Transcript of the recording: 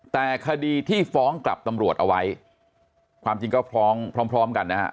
แต่คดีที่ฟ้องกลับตำรวจเอาไว้ความจริงก็ฟ้องพร้อมพร้อมกันนะฮะ